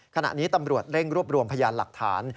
ขณะนี้ตำรวจเร่งรวบรวมพยานหลักฐาน